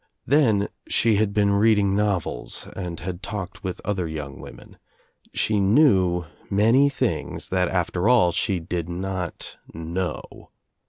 Then she had been reading novels and had talked with other young women. She knew many things that after all she did not know.